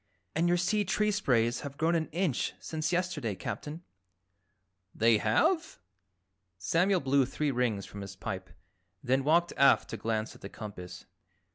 "And your sea tree sprays have grown an inch since yesterday, Captain." "They have?" Samuel blew three rings from his pipe, then walked aft to glance at the compass.